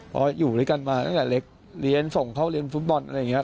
เพราะอยู่ด้วยกันมาตั้งแต่เล็กเรียนส่งเข้าเรียนฟุตบอลอะไรอย่างนี้